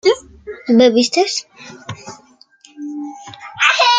¿bebiste?